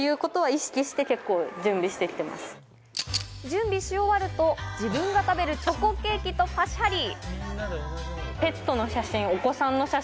準備し終わると、自分が食べるチョコケーキとパシャリ。